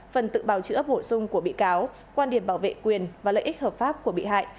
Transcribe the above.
phần tự bảo trữ ấp hổ sung của bị cáo quan điểm bảo vệ quyền và lợi ích hợp pháp của bị hại